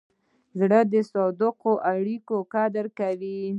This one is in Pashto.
زړه د صادقو اړیکو قدر کوي.